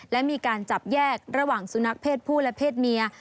และมีการจับแยกระหว่างสุนัขเพศผู้และเพศเมีย